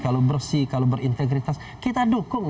kalau bersih kalau berintegritas kita dukung